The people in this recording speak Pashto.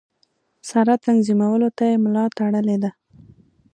سره تنظیمولو ته یې ملا تړلې ده.